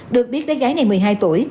được biết bé gái này một mươi hai tuổi